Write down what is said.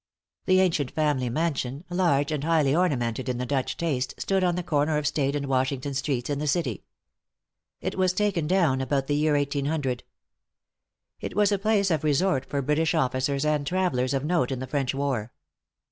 The ancient family mansion, large and highly ornamented in the Dutch taste, stood on the corner of State and Washington streets, in the city. It was taken down about the year 1800. It was a place of resort for British officers and travellers of note in the French war.